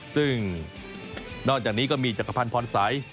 ซึ่งนอกจากนี้ก็มีจักรพันธ์พรสัย